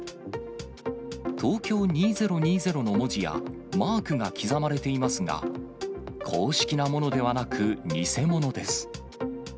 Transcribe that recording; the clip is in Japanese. ＴＯＫＹＯ２０２０の文字や、マークが刻まれていますが、公式なものではなく、偽物です。